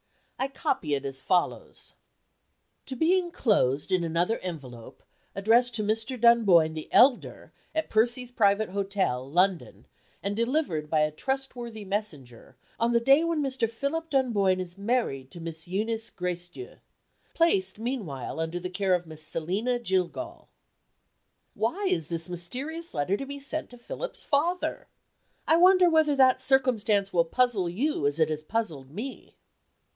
I copy it as follows: "To be inclosed in another envelope, addressed to Mr. Dunboyne the elder, at Percy's Private Hotel, London, and delivered by a trustworthy messenger, on the day when Mr. Philip Dunboyne is married to Miss Eunice Gracedieu. Placed meanwhile under the care of Miss Selina Jillgall." Why is this mysterious letter to be sent to Philip's father? I wonder whether that circumstance will puzzle you as it has puzzled me.